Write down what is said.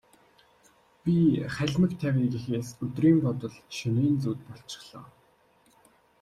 Би халимаг тавья гэхээс өдрийн бодол, шөнийн зүүд болчихлоо.